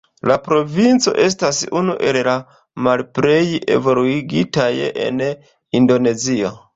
La provinco estas unu el la malplej evoluigitaj en Indonezio.